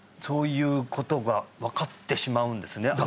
そういうことが分かってしまうんですね？